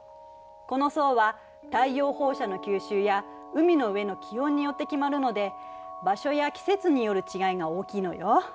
この層は太陽放射の吸収や海の上の気温によって決まるので場所や季節による違いが大きいのよ。